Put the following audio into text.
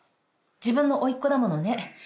自分のおいっ子だものね。